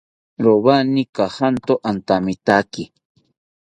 Rowani kajanto antamitaki